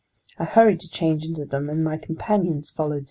I hurried to change into them, and my companions followed suit.